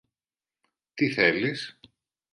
Τι θέλεις;